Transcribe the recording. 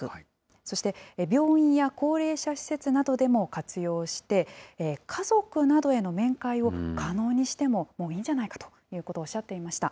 そして病院や高齢者施設などでも活用して、家族などへの面会を可能にしてももういいんじゃないかということをおっしゃっていました。